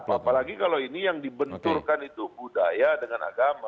apalagi kalau ini yang dibenturkan itu budaya dengan agama